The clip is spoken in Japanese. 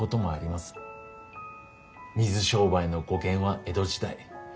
水商売の語源は江戸時代。